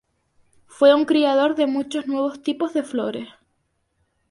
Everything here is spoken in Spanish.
Fue un criador de muchos nuevos tipos de flores.